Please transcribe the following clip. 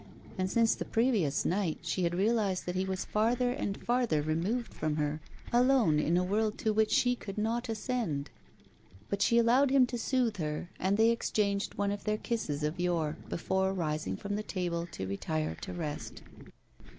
And, since the previous night, she had realised that he was farther and farther removed from her, alone in a world to which she could not ascend. But she allowed him to soothe her, and they exchanged one of their kisses of yore, before rising from the table to retire to rest.